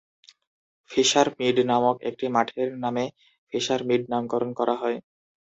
Fisher Mead নামক একটি মাঠের নামে ফিশার মিড নামকরণ করা হয়।